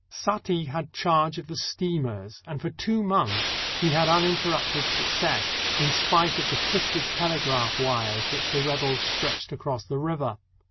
Saati had charge of the steamers, and for two months he had uninterrupted success, in spite of the twisted tele graph wires which the rebels stretched across the river.